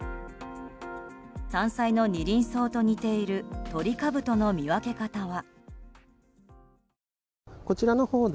山菜のニリンソウと似ているトリカブトの見分け方は。